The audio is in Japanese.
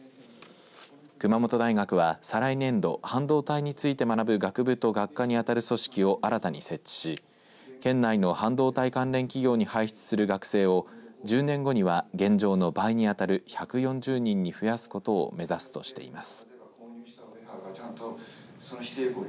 熊本大学は再来年度半導体について学ぶ学部と学科にあたる組織を新たに設置し、県内の半導体関連企業に排出する学生を１０年後には現状の倍に当たる１４０人に増やすことを目指すとしています。